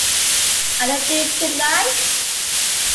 Are they due tonight?